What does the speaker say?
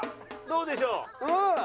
どうでしょう？